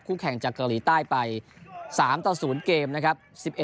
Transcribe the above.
แข่งจากเกาหลีใต้ไป๓ต่อ๐เกมนะครับ